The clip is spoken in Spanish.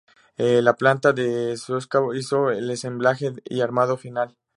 La planta en Sochaux hizo el ensamblaje y armado final.